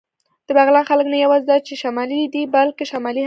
د بغلان خلک نه یواځې دا چې شمالي دي، بلکې شمالي هم دي.